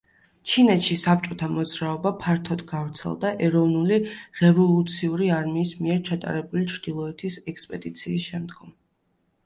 ჩინეთში საბჭოთა მოძრაობა ფართოდ გავრცელდა ეროვნული-რევოლუციური არმიის მიერ ჩატარებული ჩრდილოეთის ექსპედიციის შემდგომ.